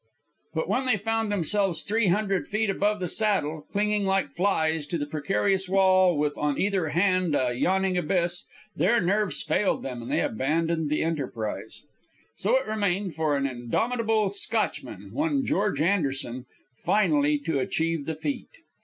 But when they found themselves three hundred feet above the Saddle, clinging like flies to the precarious wall with on either hand a yawning abyss, their nerves failed them and they abandoned the enterprise. So it remained for an indomitable Scotchman, one George Anderson, finally to achieve the feat.